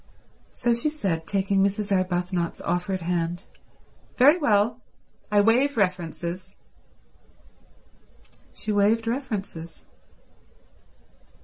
So she said, taking Mrs. Arbuthnot's offered hand, "Very well. I waive references." She waived references.